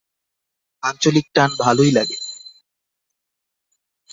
আঞ্চলিক টান ভালোই লাগে।